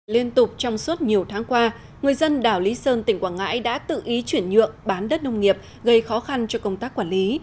liên tục trong suốt nhiều tháng qua người dân đảo lý sơn tỉnh quảng ngãi đã tự ý chuyển nhượng bán đất nông nghiệp gây khó khăn cho công tác quản lý